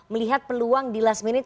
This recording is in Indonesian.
melihat peluang di last minute